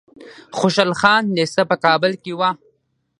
خوشحال خان لیسه په کابل کې وه.